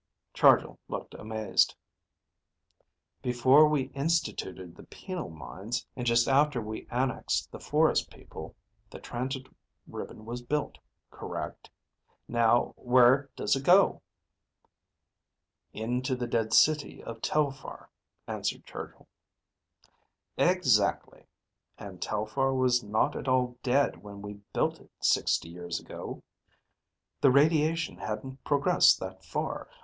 Chargill looked amazed. "Before we instituted the penal mines, and just after we annexed the forest people, the transit ribbon was built. Correct? Now, where does it go?" "Into the dead city of Telphar," answered Chargill. "Exactly. And Telphar was not at all dead when we built it, sixty years ago. The radiation hadn't progressed that far.